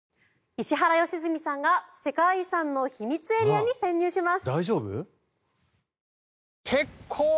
石原良純さんが世界遺産の秘密エリアに潜入します。